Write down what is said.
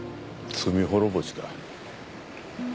罪滅ぼし？